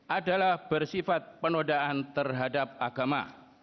adalah bersifat penodaan terhadap agama